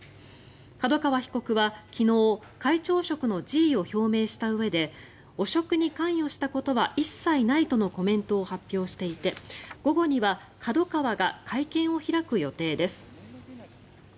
角川被告は昨日、会長職の辞意を表明したうえで汚職に関与したことは一切ないとのコメントを発表していて午後にはＫＡＤＯＫＡＷＡが会見を開く予定です。